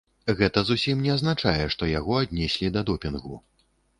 Гэта зусім не азначае, што яго аднеслі да допінгу.